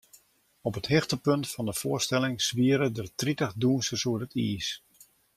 Op it hichtepunt fan de foarstelling swiere der tritich dûnsers oer it iis.